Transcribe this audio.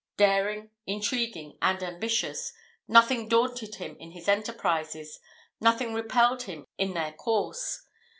Daring, intriguing, and ambitious, nothing daunted him in his enterprises, nothing repelled him in their course.